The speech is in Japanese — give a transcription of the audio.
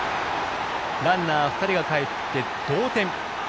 ランナー２人がかえって同点。